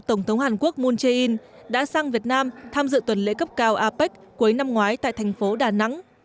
tổng thống hàn quốc moon jae in đã sang việt nam tham dự tuần lễ cấp cao apec cuối năm ngoái tại thành phố đà nẵng